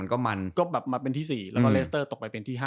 ก็มาเป็นที่๔และเรสเตอร์ตกไปเป็นที่๕